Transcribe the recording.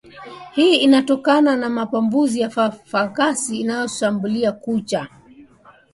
hii hutokana na maambukizi ya fangasi zinazoshambulia kucha